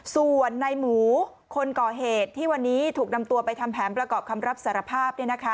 ส่วนในหมูคนก่อเหตุที่วันนี้ถูกนำตัวไปทำแผนประกอบคำรับสารภาพ